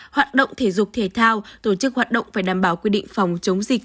hoạt động thể dục thể thao tổ chức hoạt động phải đảm bảo quy định phòng chống dịch